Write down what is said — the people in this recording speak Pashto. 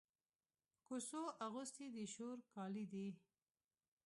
کوڅو اغوستي د شور کالي دی